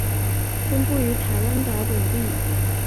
分布于台湾岛等地。